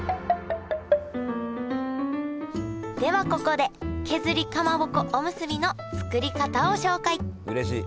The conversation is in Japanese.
ではここで削りかまぼこおむすびの作り方を紹介うれしい！